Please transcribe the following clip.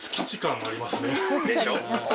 でしょ？